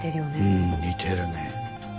うん似てるね